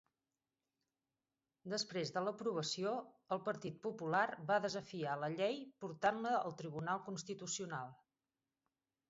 Després de l'aprovació, el Partit Popular va desafiar la llei portant-la al Tribunal Constitucional.